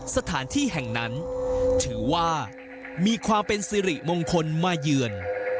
สถานที่แห่งนั้นถือว่ามีความเป็นสิริมงคลมาเยือน